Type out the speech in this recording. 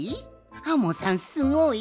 アンモさんすごい？